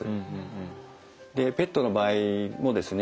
でペットの場合もですね